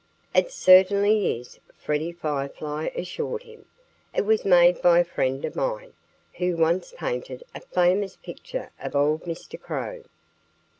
"It certainly is," Freddie Firefly assured him. "It was made by a friend of mine, who once painted a famous picture of old Mr. Crow."